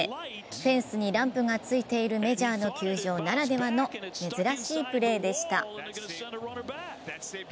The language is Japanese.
フェンスにランプがついているメジャーの球場ならではの珍しいプレーでした。